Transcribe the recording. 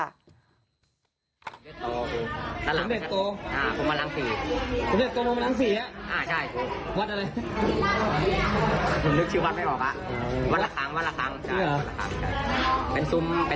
อ่าใช่ครับวัดอะไร